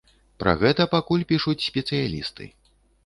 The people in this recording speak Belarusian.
Пра гэта пакуль пішуць спецыялісты.